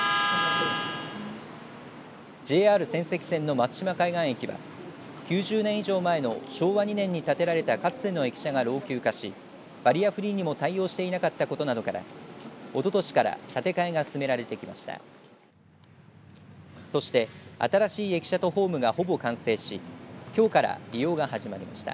ＪＲ仙石線の松島海岸駅は９０年以上前の昭和２年に建てられたかつての駅舎が老朽化しバリアフリーにも対応していなかったことなどからおととしから建て替えが進められてきました。